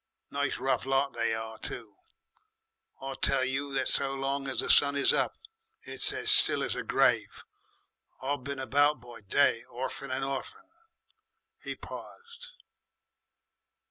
(Nice rough lot they are too!) I tell you that so long as the sun is up it's as still as the grave. I been about by day orfen and orfen." He paused.